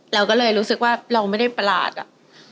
เราก็เลยรู้สึกว่าเราไม่ได้ประหลาดอะ